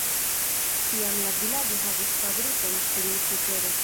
Iam la vilaĝo havis fabrikon pri sukero.